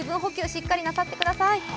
しっかりなさってください。